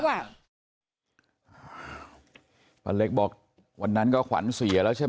ป้าเล็กบอกวันนั้นก็ขวัญเสียแล้วใช่ไหม